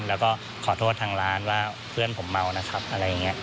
แล้วก็ขอโทษทางร้านว่าเพื่อนผมเมานะครับอะไรอย่างนี้